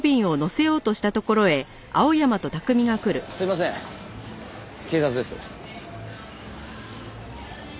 すいません警察です。